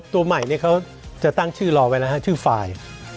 ตัวใหม่เขาจะตั้งชื่อรอไว้แล้วฮะชื่อไฟล์